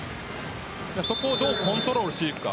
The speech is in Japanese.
そこをどうコントロールしていくか。